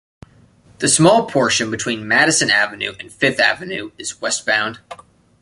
The small portion between Madison Avenue and Fifth Avenue is westbound.